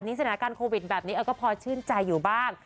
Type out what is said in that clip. สถานการณ์โควิดแบบนี้ก็พอชื่นใจอยู่บ้าง